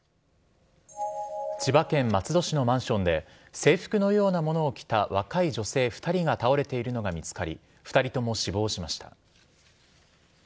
千葉県松戸市のマンションで制服のようなものを着た若い女性２人が倒れているのが見つかり２人とも死亡しました。